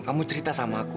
kamu cerita sama aku